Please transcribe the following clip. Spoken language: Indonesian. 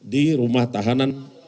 di rumah tahanan